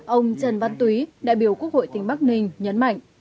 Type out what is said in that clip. ông trần văn túy đại biểu quốc hội tỉnh bắc ninh nhấn mạnh